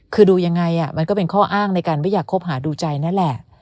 คือดูยังไงมันก็เป็นข้ออ้างในการไม่อยากคบหาดูใจนั่นแหละ